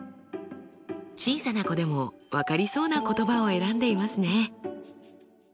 小さな子でも分かりそうな言葉を選んでいますね。